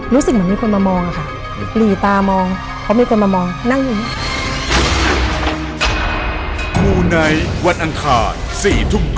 รู้สึกเหมือนมีคนมามองอะค่ะหลีตามองเพราะมีคนมามองนั่งอยู่อย่างนี้